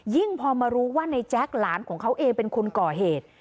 พอมารู้ว่าในแจ๊คหลานของเขาเองเป็นคนก่อเหตุ